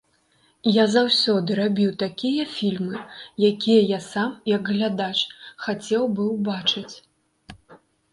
Я заўсёды рабіў такія фільмы, якія я сам, як глядач, хацеў бы ўбачыць.